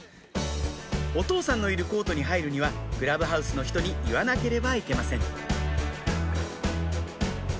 お父さんのいるコートに入るにはクラブハウスの人に言わなければいけません